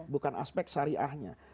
bukan aspek syariahnya